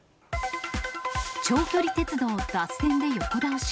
長距離鉄道脱線で横倒し。